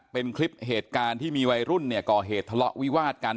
เป็นคลิปเหตุการณ์ที่มีวัยรุ่นเนี่ยก่อเหตุทะเลาะวิวาดกัน